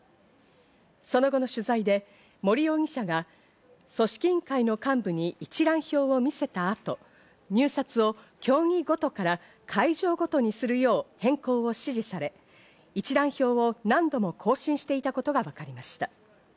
その後の取材で森容疑者が組織委員会の幹部に一覧表を見せた後、入札を競技ごとから会場ごとにするよう変更を指示され、一覧表を何度も更新していたことがわかりました。